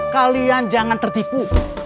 kalian jangan tertipu